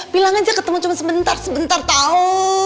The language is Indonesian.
bilang aja ketemu cuma sebentar sebentar tau